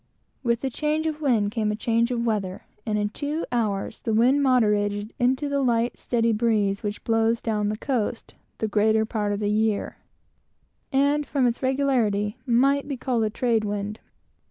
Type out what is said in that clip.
With the change of wind came a change of weather, and in two hours the wind moderated into the light steady breeze, which blows down the coast the greater part of the year, and, from its regularity, might be called a trade wind.